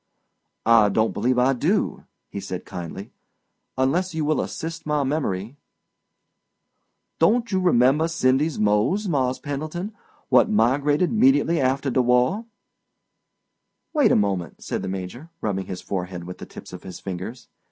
"I don't believe I do," he said kindly—"unless you will assist my memory." "Don't you 'member Cindy's Mose, Mars' Pendleton, what 'migrated 'mediately after de war?" "Wait a moment," said the Major, rubbing his forehead with the tips of his fingers.